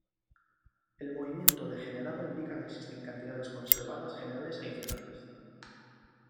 El movimiento degenerado indica que existen cantidades conservadas generales adicionales.